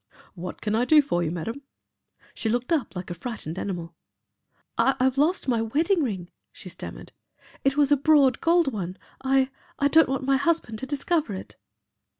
"What can I do for you, Madam?" She looked up like a frightened animal. "I've lost my wedding ring," she stammered. "It was a broad gold one. I I don't want my husband to discover it."